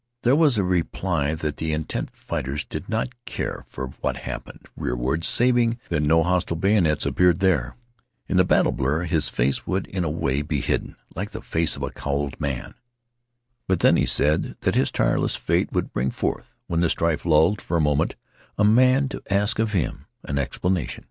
There was a reply that the intent fighters did not care for what happened rearward saving that no hostile bayonets appeared there. In the battle blur his face would, in a way be hidden, like the face of a cowled man. But then he said that his tireless fate would bring forth, when the strife lulled for a moment, a man to ask of him an explanation.